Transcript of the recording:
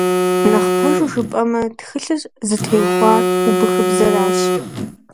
Нэхъ пэжу жыпӀэмэ, тхылъыр зытеухуар убыхыбзэращ.